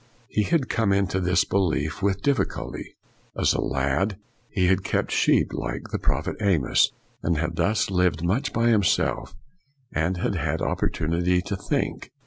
He had come into this belief with dif ficulty. As a lad, he had kept sheep, like the Prophet Amos, and had thus lived much by himself and had had opportunity to think.